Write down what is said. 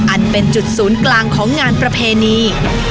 อันเป็นจุดศูนย์กลางของงานประเพณี